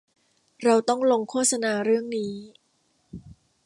เราต้องลงโฆษณาเรื่องนี้